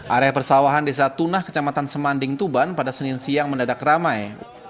area persawahan desa tunah kecamatan semanding tuban pada senin siang mendadak ramai